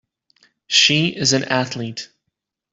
She is an Athlete.